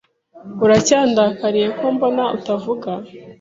Uracyandakariye ko mbona utavuga?